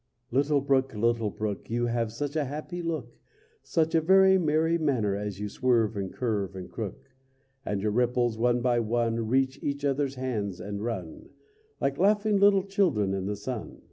Little brook, little brook, You have such a happy look, Such a very merry manner as you swerve and curve and crook; And your ripples, one by one, Reach each other's hands and run Like laughing little children in the sun!